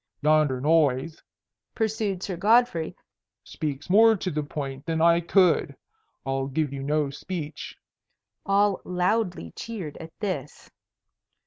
"Yonder noise," pursued Sir Godfrey, "speaks more to the point than I could. I'll give you no speech." All loudly cheered at this.